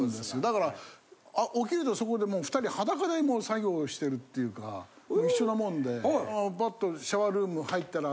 だから起きるとそこで２人裸でもう作業してるっていうか一緒なもんでバッとシャワールーム入ったら。